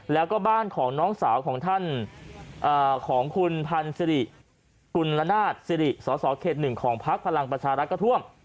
แล้วก็บ้านของน้องสาวของท่านของคุณพันธุ์ซิริสตร์เข็ดหนึ่งของพลักษณ์พลังประชารักษ์ก็ท่วม